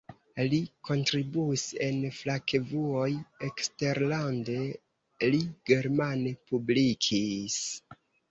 Li kontribuis en fakrevuoj, eksterlande li germane publikis.